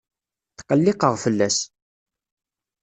Tqelliqeɣ fell-as.